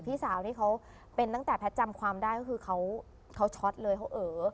พี่สาวนี่เขาเป็นตั้งแต่แพทย์จำความได้ก็คือเขาช็อตเลยเขาเอ๋อ